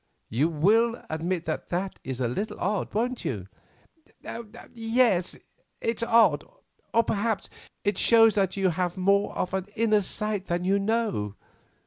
You will admit that is a little odd, won't you?" "Yes, it's odd; or, perhaps, it shows that you have more of the inner sight than you know.